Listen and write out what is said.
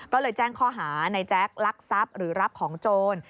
ก็เลยแจ้งข้อหาในแจ๊คลักทรัพย์หรือรับของโจร